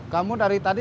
kamu dari tadi